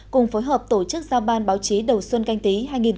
cùng phối hợp tổ chức giao ban báo chí đầu xuân canh tí hai nghìn hai mươi